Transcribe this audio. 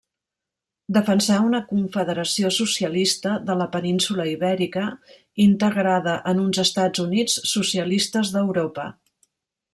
Defensà una Confederació Socialista de la península Ibèrica, integrada en uns Estats Units Socialistes d'Europa.